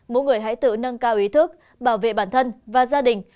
mỗi người hãy tự nâng cao ý thức bảo vệ bản thân và gia đình